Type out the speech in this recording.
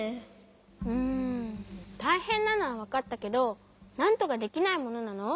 うんたいへんなのはわかったけどなんとかできないものなの？